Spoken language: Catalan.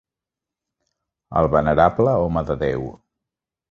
El venerable home de Déu.